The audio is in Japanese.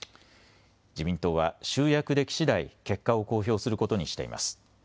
自民党は集約できしだい結果を公表することにしています。